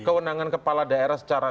kewenangan kepala daerah secara